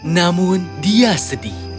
namun dia sedih